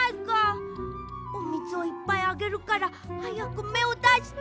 おみずをいっぱいあげるからはやくめをだして！